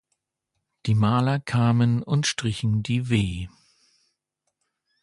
Die Maler kamen und strichen die W